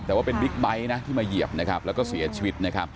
แต่ว่าเป็นบิ๊กไบค์ที่มาเหยียบแล้วก็เสียชีวิต